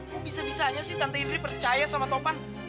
kok bisa bisanya sih tante indri percaya sama topan